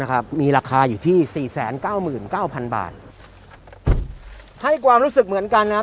มีราคาอยู่ที่สี่แสนเก้าหมื่นเก้าพันบาทให้ความรู้สึกเหมือนกันนะครับ